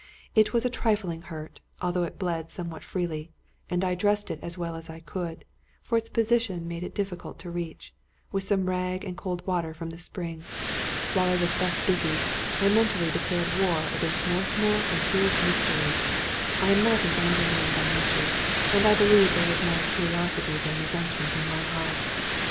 It was a trifling hurt, although it bled somewhat freely, and I dressed it as well as I could (for its position made it diffi cult to reach) with some rag and cold water from the spring. While I was thus busied, I mentally declared war against Northmour and his mystery. I am not an angry man by nature, and I believe there was more curiosity than resentment in my heart.